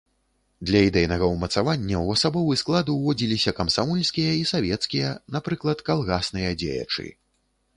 Для ідэйнага ўмацавання ў асабовы склад уводзіліся камсамольскія і савецкія, напрыклад, калгасныя дзеячы.